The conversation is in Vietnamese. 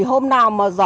hôm nào mà gió